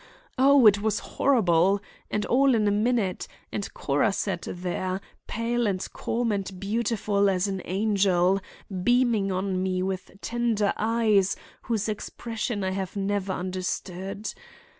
Oh, it was horrible! And all in a minute! And Cora sat there, pale, calm and beautiful as an angel, beaming on me with tender eyes whose expression I have never understood!